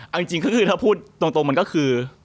เอาจริงก็คือถ้าพูดตรงมันก็คือ